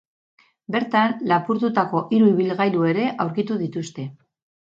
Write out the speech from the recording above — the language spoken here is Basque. Bertan, lapurtutako hiru ibilgailu ere aurkitu dituzte.